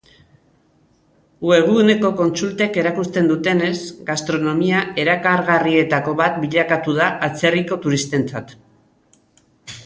Webguneko kontsultek erakusten dutenez, gastronomia erakargarrietako bat bilakatu da atzerriko turistentzat.